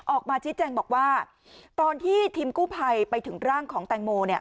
ออกมาชี้แจงบอกว่าตอนที่ทีมกู้ภัยไปถึงร่างของแตงโมเนี่ย